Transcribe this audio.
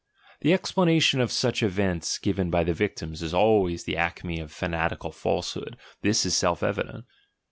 The explanation of such events given by the victims is always the acme of fanatical false hood; this is self evident.